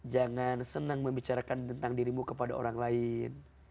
jangan senang membicarakan tentang dirimu kepada orang lain